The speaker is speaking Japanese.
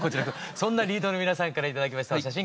そんなＬｅａｄの皆さんから頂きましたお写真